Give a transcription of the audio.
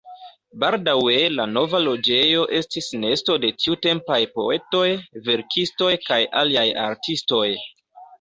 Baldaŭe la nova loĝejo estis nesto de tiutempaj poetoj, verkistoj kaj aliaj artistoj.